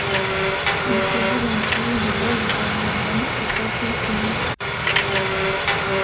Il s'agit d'un pigeon de vol de taille moyenne aux pattes emplumées.